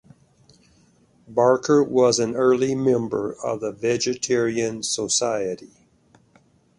Barker was an early member of the Vegetarian Society.